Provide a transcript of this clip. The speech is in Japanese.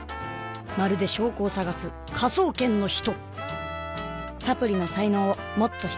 まるで証拠を探す「科捜研の人」！！